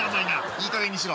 いいかげんにしろ。